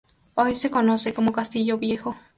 Hoy se conoce como Castillo Viejo.